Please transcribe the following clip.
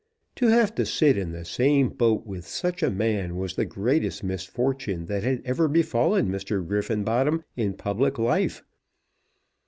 To have to sit in the same boat with such a man was the greatest misfortune that had ever befallen Mr. Griffenbottom in public life.